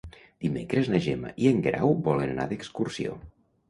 Dimecres na Gemma i en Guerau volen anar d'excursió.